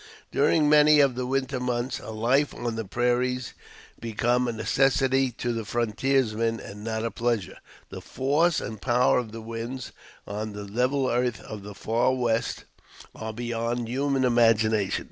During many of the winter months, a life on the prairies becomes a necessity to the frontiersman and not a pleasure. The force and power of the winds on the level earth of the far West, are beyond human imagination.